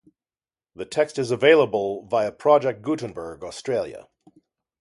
The text is available via Project Gutenberg Australia.